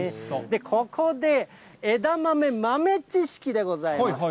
ここで枝豆マメ知識でございます。